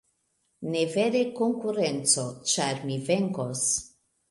.... Ne vere konkurenco, ĉar mi venkos.